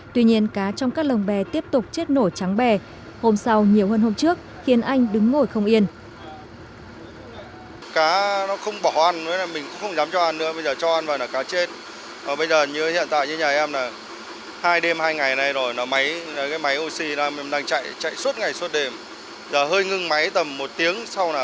tuy nhiên cá trong các lồng bè tiếp tục chết nổi trắng bè hôm sau nhiều hơn hôm trước khiến anh đứng ngồi không yên